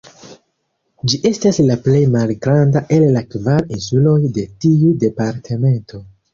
Ĝi estas la plej malgranda el la kvar insuloj de tiu departemento.